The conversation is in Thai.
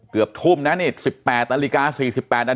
เกือบทุ่มนะนี่๑๘นาฬิกา๔๘นาที